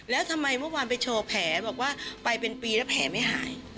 แล้วทำไมเมื่อวานไปโชว์แผลบอกว่าไปเป็นปีแล้วแผลไม่หาย